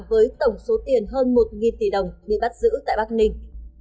với tổng số tiền hơn một tỷ đồng bị bắt giữ tại bắc ninh